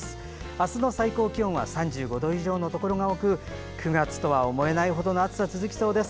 明日の最高気温は３５度以上のところが多く９月とは思えないほどの暑さが続きそうです。